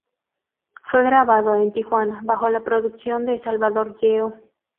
Fue grabado en Tijuana bajo la producción de Salvador Yeo.